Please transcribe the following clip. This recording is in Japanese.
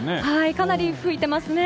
かなり吹いていますね。